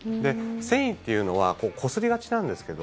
繊維というのはこすりがちなんですけど。